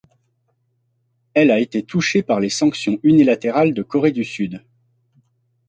Elle a été touché par les sanctions unilatérales de Corée du Sud.